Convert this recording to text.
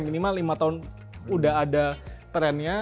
minimal lima tahun udah ada trennya